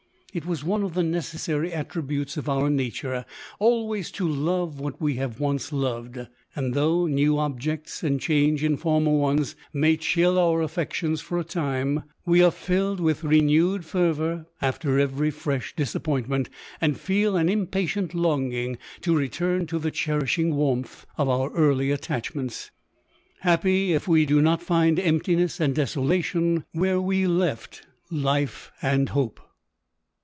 It is one of the necessary LODORE. 235 attributes of our nature, always to love what we have once loved ; and though new objects and change in former ones may chill our affections for a time, we are filled with renewed fervour after every fresh disappointment, and feel an impatient longing to return to the cherishing warmth of our early attachments; happy if we do not find emptiness and desolation, where we left life and hope.